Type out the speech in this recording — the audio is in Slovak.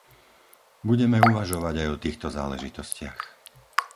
Budeme uvažovať aj o týchto záležitostiach.